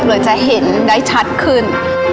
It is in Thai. เราจะเห็นได้ชัดขึ้น